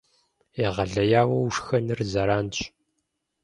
Егъэлеяуэ ушхэныр зэранщ.